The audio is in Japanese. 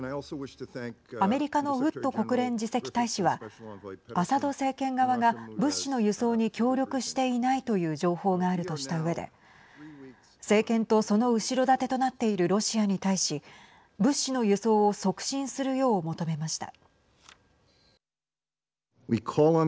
アメリカのウッド国連次席大使はアサド政権側が物資の輸送に協力していないという情報があるとしたうえで政権と、その後ろ盾となっているロシアに対し物資の輸送を促進するよう求めました。